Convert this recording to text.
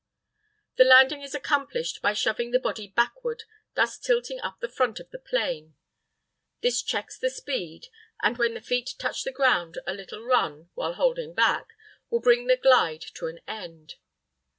The landing is accomplished by shoving the body backward, thus tilting up the front of the plane. This checks the speed, and when the feet touch the ground a little run, while holding back, will bring the glide to an end.